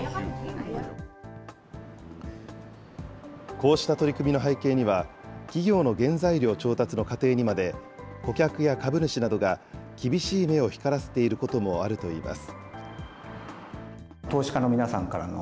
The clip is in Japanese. こうした取り組みの背景には、企業の原材料調達の過程にまで顧客や株主などが厳しい目を光らせていることもあるといいます。